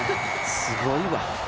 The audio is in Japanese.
すごいわ。